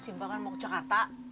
si mbak kan mau ke jakarta